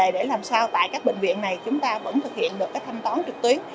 để làm sao tại các bệnh viện này chúng ta vẫn thực hiện được cái thanh toán trực tuyến